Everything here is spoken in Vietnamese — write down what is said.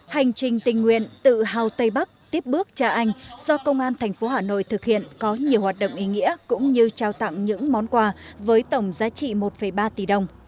hành trình tình nguyện tự hào tây bắc tiếp bước trả anh do công an thành phố hà nội thực hiện có nhiều hoạt động ý nghĩa cũng như trao tặng những món quà với tổng giá trị một ba tỷ đồng